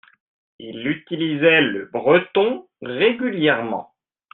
il utilisait le breton régulièrement.